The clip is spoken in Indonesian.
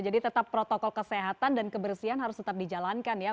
tetap protokol kesehatan dan kebersihan harus tetap dijalankan ya